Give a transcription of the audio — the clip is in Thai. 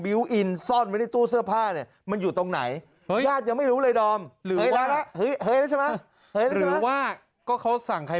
บิลอินซ่อนไว้ในตู้เสื้อผ้านี่